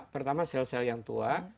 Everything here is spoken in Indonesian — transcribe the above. pertama sel sel yang tua